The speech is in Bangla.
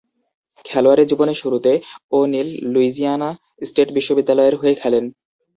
খেলোয়াড়ী জীবনের শুরুতে ও'নিল লুইসিয়ানা স্টেট বিশ্ববিদ্যালয়ের হয়ে খেলেন।